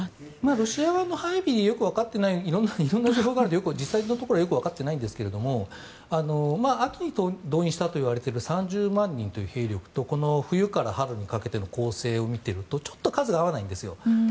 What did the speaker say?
ロシア側の配備よくわかっていない色んな情報があるので実際のところはよくわかっていないんですが秋に動員したといわれている３０万人という兵力と冬から春にかけての攻勢を見ているとちょっと数が合わないんですよ。